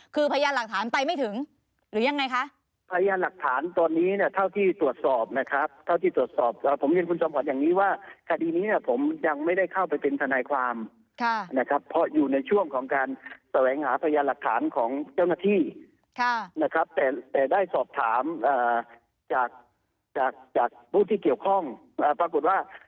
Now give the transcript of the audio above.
คือพยานหลักฐานไปไม่ถึงหรือยังไงคะ